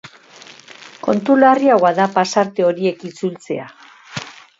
Kontu larriagoa da pasarte horiek itzultzea.